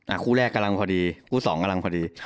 อ่ะคู่แรกกำลังพอดีคู่๒ประมาณพอดี